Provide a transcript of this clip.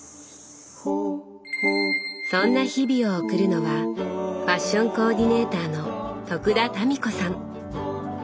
そんな日々を送るのはファッションコーディネーターの田民子さん。